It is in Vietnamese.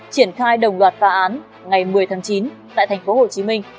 triển khai đồng loạt phá án ngày một mươi tháng chín tại thành phố hồ chí minh